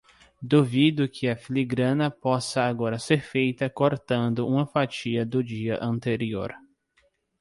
Duvido que a filigrana possa agora ser feita cortando uma fatia do dia anterior.